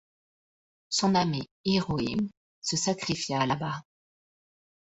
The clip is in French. Son ami Hiroim se sacrifia là-bas.